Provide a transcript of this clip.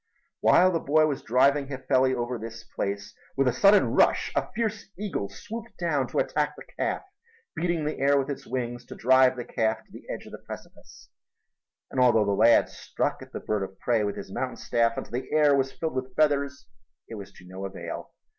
While the boy was driving Hifeli over this place, with a sudden rush a fierce eagle swooped down to attack the calf, beating the air with its wings to drive the calf to the edge of the precipice, and although the lad struck at the bird of prey with his mountain staff until the air was filled with feathers it was to no avail.